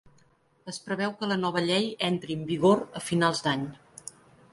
Es preveu que la nova llei entri en vigor a finals d’any.